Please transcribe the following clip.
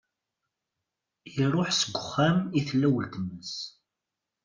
Iruḥ seg uxxam i tella uletma-s.